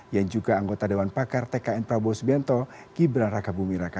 yang juga anggota dewan pakar tkn prabowo subianto gibran raka bumi raka